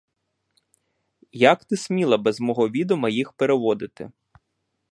Як ти сміла без мого відома їх переводити?